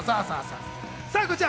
こちら